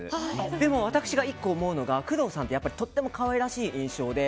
でも私が１個思うのが工藤さんってとても可愛らしい印象で